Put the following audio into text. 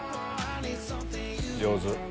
上手。